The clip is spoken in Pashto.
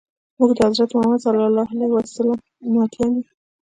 موږ د حضرت محمد صلی الله علیه وسلم امتیان یو.